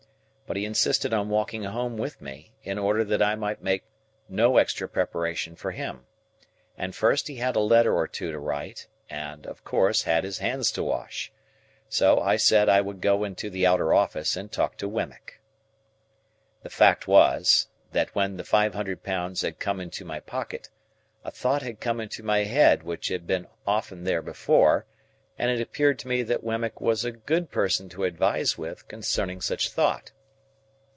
But he insisted on walking home with me, in order that I might make no extra preparation for him, and first he had a letter or two to write, and (of course) had his hands to wash. So I said I would go into the outer office and talk to Wemmick. The fact was, that when the five hundred pounds had come into my pocket, a thought had come into my head which had been often there before; and it appeared to me that Wemmick was a good person to advise with concerning such thought.